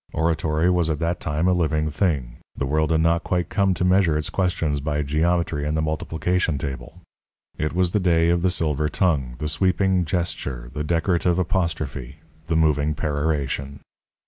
Oratory was at that time a living thing; the world had not quite come to measure its questions by geometry and the multiplication table. It was the day of the silver tongue, the sweeping gesture, the decorative apostrophe, the moving peroration.